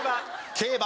「競馬」。